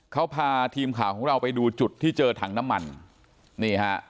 เขาพาทีมข่าวของเราไปดูจุดที่เจอถังน้ำมันนี่ฮะ